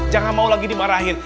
jangan mau lagi dimarahin